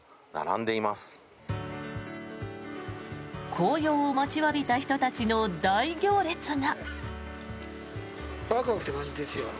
紅葉を待ちわびた人たちの大行列が。